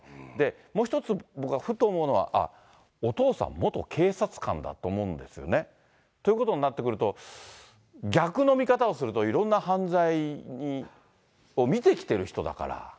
もう一つ、僕がふと思うのは、お父さん、元警察官だと思うんですよね。ということになってくると、逆の見方をすると、いろんな犯罪を見てきてる人だから。